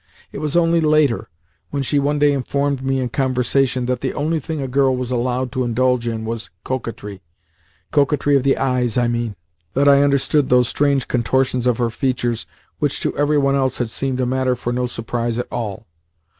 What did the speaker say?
It was only later, when she one day informed me in conversation that the only thing a girl was allowed to indulge in was coquetry coquetry of the eyes, I mean that I understood those strange contortions of her features which to every one else had seemed a matter for no surprise at all.